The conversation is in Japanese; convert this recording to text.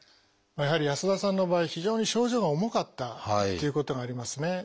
やはり安田さんの場合非常に症状が重かったっていうことがありますね。